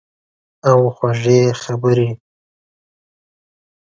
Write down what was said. او خوږې خبرې